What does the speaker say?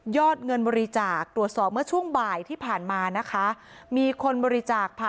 ยอดเงินบริจาคตรวจสอบเมื่อช่วงบ่ายที่ผ่านมานะคะ